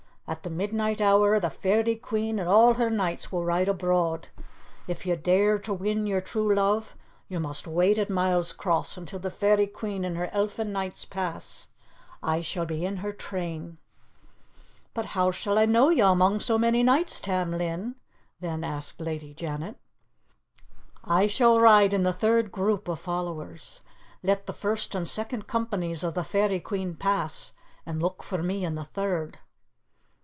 At the midnight hour, the Fairy Queen and all her knights will ride abroad. If you dare win your true love, you must wait at Milescross until the Fairy Queen and her Elfin Knights pass. I shall be in her train." "But how shall I know you among so many knights, Tam Lin?" then asked Lady Janet. "I shall ride in the third group of followers. Let the first and second companies of the Fairy Queen pass, and look for me in the third.